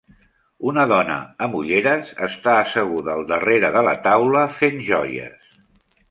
Una dona amb ulleres està asseguda al darrera de la taula fent joies.